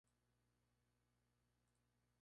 La instructora de la Academia Real de Caballeros.